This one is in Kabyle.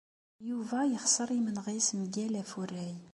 Yuba ixṣeṛ imenɣi-s mgal afurray.